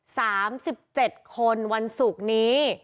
สามสิบเจ็ดคนวันศุกร์นี้